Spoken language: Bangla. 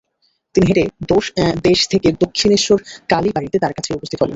তিনি হেঁটে দেশ থেকে দক্ষিণেশ্বর কালীবাড়ীতে তাঁর কাছে উপস্থিত হলেন।